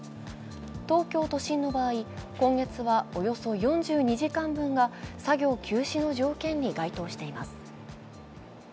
東京都心の場合、今月はおよそ４２時間分が作業休止の条件に該当しています。